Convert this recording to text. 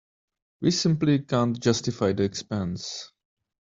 We simply can't justify the expense.